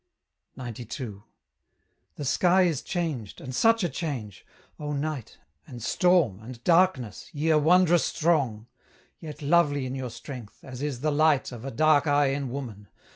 XCII. The sky is changed! and such a change! O night, And storm, and darkness, ye are wondrous strong, Yet lovely in your strength, as is the light Of a dark eye in woman!